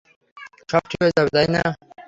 সব ঠিক হয়ে যাবে, তাই না?